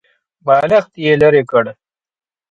بالښت يې ليرې کړ.